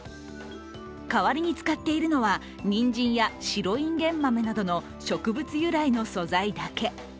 代わりに使っているのはにんじんや白いんげん豆などの植物由来の素材だけ。